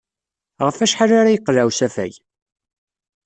Ɣef wacḥal ara yeqleɛ usafag?